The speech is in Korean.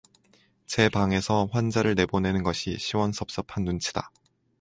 제 방에서 환자를 내보내는 것이 시원섭섭한 눈치다.